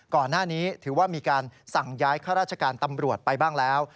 ก่อนหน้านี้ถือว่ามีการสั่งย้ายข้าราชการตำรวจไปบ้างแล้ว